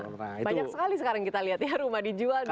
banyak sekali sekarang kita lihat ya rumah dijual